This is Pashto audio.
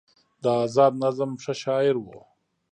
د ازاد نظم ښه شاعر و